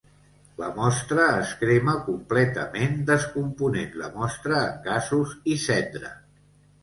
La mostra es crema completament descomponent la mostra en gasos i cendra.